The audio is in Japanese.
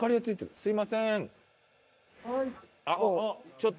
すみません。